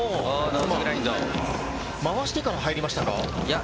回してから入りましたか？